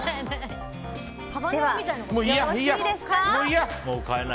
ではよろしいですか？